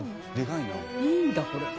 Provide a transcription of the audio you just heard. いいんだこれ。